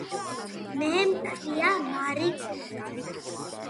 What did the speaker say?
მე მქვია მარიკუზა